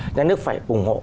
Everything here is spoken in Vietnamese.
nhà nước phải ủng hộ